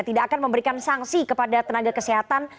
tidak akan memberikan sanksi kepada tenaga kesehatan